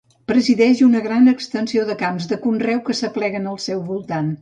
Presideix una gran extensió de camps de conreu que s'apleguen al seu voltant.